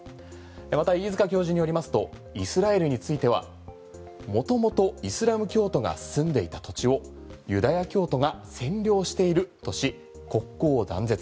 また飯塚教授によりますとイスラエルについては元々イスラム教徒が住んでいた土地をユダヤ教徒が占領しているとし国交を断絶。